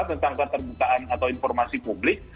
tentang keterbukaan atau informasi publik